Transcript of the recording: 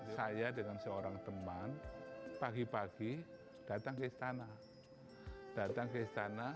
saya dengan seorang teman pagi pagi datang ke istana